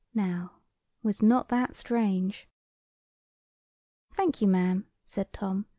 Now, was not that strange? "Thank you, ma'am," said Tom.